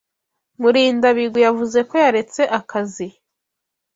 Murindabigwi yavuze ko yaretse akazi.